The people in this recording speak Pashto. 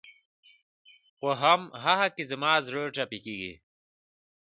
په هم هغه کې زما زړه تپېږي